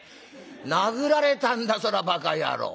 「殴られたんだそりゃバカ野郎。